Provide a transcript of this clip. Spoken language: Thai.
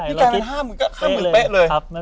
ไม่แกล้นห้าหมื่นก็ห้าหมื่นเป๊ะเลย